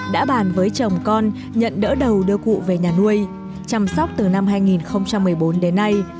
đã bàn với chồng con nhận đỡ đầu đưa cụ về nhà nuôi chăm sóc từ năm hai nghìn một mươi bốn đến nay